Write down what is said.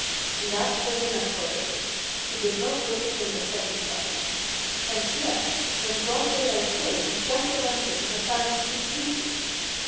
And that was enough for her. She did not look at him a second time. And yet when broad daylight came Jack O'Lantern had vanished completely.